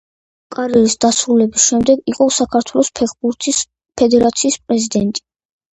კარიერის დასრულების შემდეგ იყო საქართველოს ფეხბურთის ფედერაციის პრეზიდენტი.